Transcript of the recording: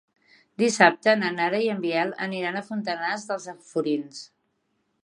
Dissabte na Nara i en Biel aniran a Fontanars dels Alforins.